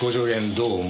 どうも。